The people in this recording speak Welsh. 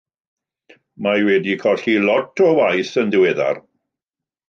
Mae wedi colli lot o waith yn ddiweddar.